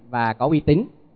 và có uy tín